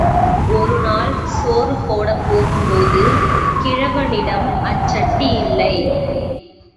ஒருநாள் சோறு போடப் போகும்போது, கிழவனிடம் அச் சட்டி இல்லை.